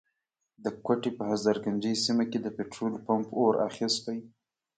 د کوټي په هزارګنجۍ سيمه کي د پټرولو پمپ اور اخستی.